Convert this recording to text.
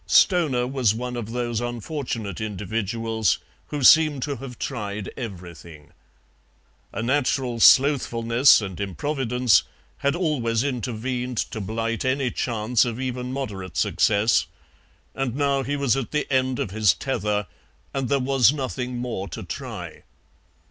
Stoner was one of those unfortunate individuals who seem to have tried everything; a natural slothfulness and improvidence had always intervened to blight any chance of even moderate success, and now he was at the end of his tether, and there was nothing more to try.